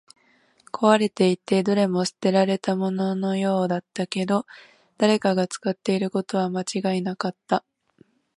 壊れていて、どれも捨てられたもののようだったけど、誰かが使っていることは間違いなかった